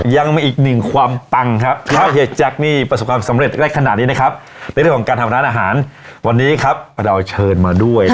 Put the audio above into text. ยังมีอีกหนึ่งความปังครับถ้าเฮียแจ๊คนี่ประสบความสำเร็จได้ขนาดนี้นะครับในเรื่องของการทำร้านอาหารวันนี้ครับเราเชิญมาด้วย